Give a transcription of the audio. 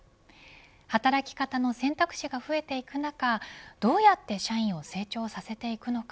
働き方の選択肢が増えていく中どうやって社員を成長させていくのか。